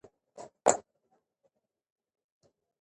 فصلونه به ساتل کیږي.